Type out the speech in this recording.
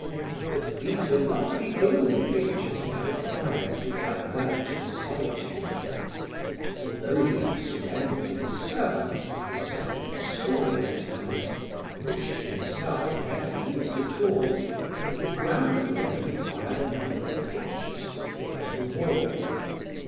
But these were not the only pictures he had acquired to divert his solitude. Although he had surrendered to his servants the second story of his house, which he himself never used at all, the ground floor had required a number of pictures to fit the walls.